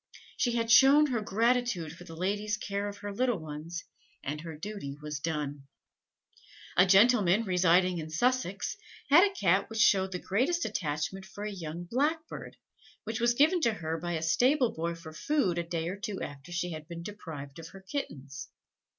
She had shown her gratitude for the lady's care of her little ones, and her duty was done. A gentleman, residing in Sussex, had a Cat which showed the greatest attachment for a young blackbird, which was given to her by a stable boy for food a day or two after she had been deprived of her kittens.